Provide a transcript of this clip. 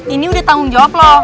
ini udah tanggung jawab loh